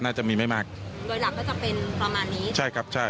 น่าจะมีไม่มากโดยหลักก็จะเป็นประมาณนี้ใช่ครับใช่